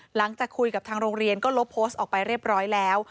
หลังจากคุยกับทางโรงเรียนก็ลบโพสต์ออกไปเรียบร้อยแล้ว